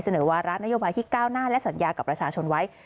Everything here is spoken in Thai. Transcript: วาระนโยบายที่ก้าวหน้าและสัญญากับประชาชนไว้